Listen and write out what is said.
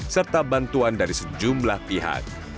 serta bantuan dari sejumlah pihak